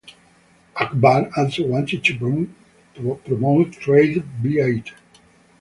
Akbar also wanted to promote trade via it.